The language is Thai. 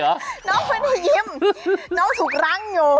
น้องไม่ได้ยิ้มน้องถูกรั้งอยู่